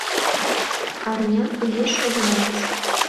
Арня вуеш огына уж